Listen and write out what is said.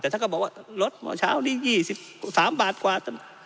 แต่ท่านก็บอกว่ารถเช้านี้ยี่สิบสามบาทกว่า